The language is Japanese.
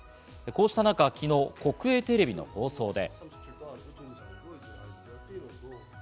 こうした中、昨日、国営テレビの放送で。